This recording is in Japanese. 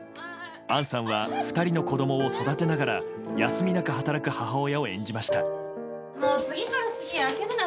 杏さんは２人の子供を育てながら休みなく働く母親を演じました。